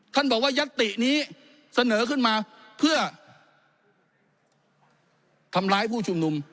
ท่านบอกว่ายัตตินี้เสนอขึ้นมาเพื่อทำร้ายผู้ชุมนุม